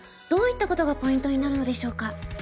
どういったことがポイントになるのでしょうか？